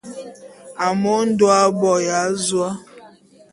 Amu Ondo aboya azoé.